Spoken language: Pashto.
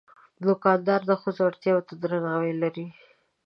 دوکاندار د ښځو اړتیا ته درناوی لري.